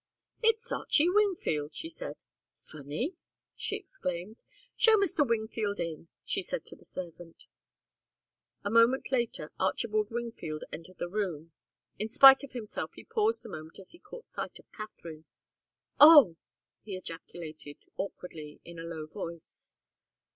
"It's Archie Wingfield," she said. "Funny!" she exclaimed. "Show Mr. Wingfield in," she said to the servant. A moment later Archibald Wingfield entered the room. In spite of himself, he paused a moment as he caught sight of Katharine. "Oh!" he ejaculated, awkwardly, in a low voice.